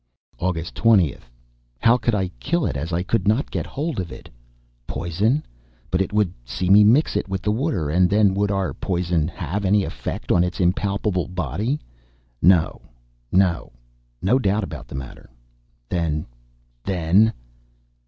August 20th. How could I kill it, as I could not get hold of it? Poison? But it would see me mix it with the water; and then, would our poisons have any effect on its impalpable body? No ... no ... no doubt about the matter.... Then?... then?...